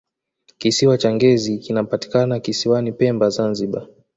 kisiwa cha ngezi kinapatikana kisiwani pemba zanzibar